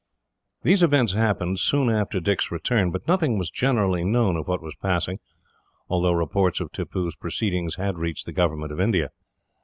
These events happened soon after Dick's return, but nothing was generally known of what was passing, although reports of Tippoo's proceedings had reached the government of India.